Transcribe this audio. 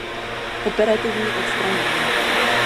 Operativní odstranění.